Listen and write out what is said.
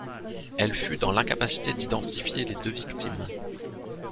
Elle fut dans l’incapacité d’identifier les deux victimes.